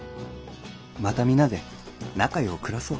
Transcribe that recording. また皆で仲よう暮らそう。